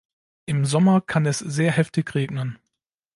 Im Sommer kann es sehr heftig regnen.